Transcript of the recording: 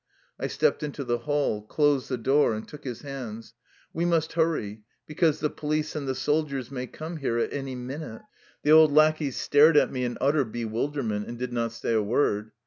I stepped into the hall, closed the door, and took his hands. "We must hurry, because the police and the soldiers may come here at any minute." The old lackey stared at me in utter bewilder ment and did not say a word.